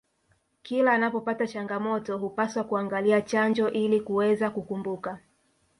kila anapopata changamoto hupaswa kuangalia chanjo ili kuweza kukumbuka